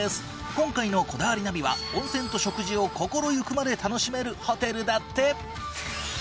今回の『こだわりナビ』は温泉と食事を心ゆくまで楽しめるホテルだって。